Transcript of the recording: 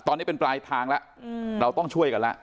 ตอนนี้เป็นปลายทางแล้วเราต้องช่วยกันแล้ว